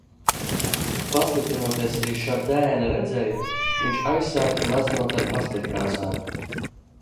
Pasliktinoties arī Šardēna redzei, viņš aizsāka gleznot ar pasteļkrāsām.